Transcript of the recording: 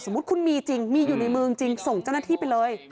คุณมีจริงมีอยู่ในมือจริงส่งเจ้าหน้าที่ไปเลย